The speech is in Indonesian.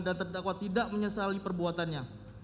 dan terdakwa tidak menyesali perbuatannya